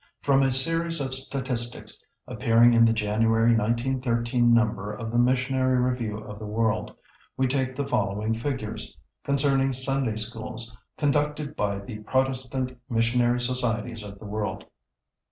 From a series of statistics appearing in the January, 1913, number of the Missionary Review of the World, we take the following figures, concerning Sunday Schools conducted by the Protestant Missionary Societies of the world.